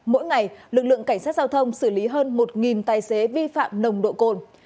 mỗi ngày lực lượng cảnh sát giao thông xử lý hơn một tài xế vi phạm nồng độ cồn